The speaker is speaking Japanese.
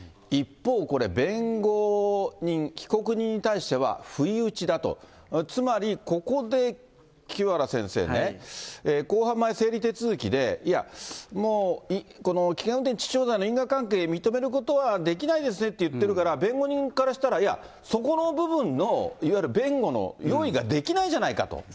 一方、弁護人、被告人に対しては不意打ちだと、つまりここで清原先生ね、公判前整理手続きで、いや、もうこの危険運転致死傷罪の因果関係認めることはできないですねって言ってるから、弁護人からしたら、いや、そこの部分の、いわゆる弁護の用意ができないじゃないかと。